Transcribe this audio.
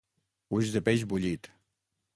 Ulls de peix bullit.